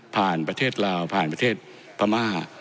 ประเทศลาวผ่านประเทศพม่า